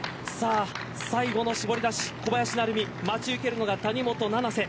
最後の絞り出し小林成美待ち受けるのは谷本七星。